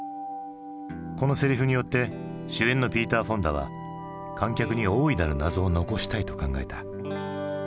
このセリフによって主演のピーター・フォンダは観客に大いなる謎を残したいと考えた。